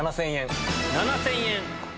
７０００円。